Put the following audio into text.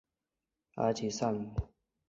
埃吉赛姆。